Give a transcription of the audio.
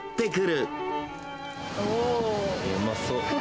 うまそう。